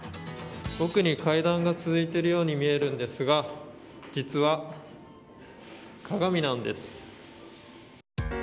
奥に階段が続いているように見えるんですが実は、鏡なんです。